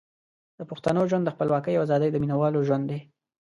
د پښتنو ژوند د خپلواکۍ او ازادۍ د مینوالو ژوند دی.